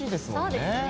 そうですね。